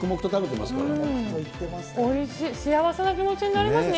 おいしい、幸せな気持ちになりますね。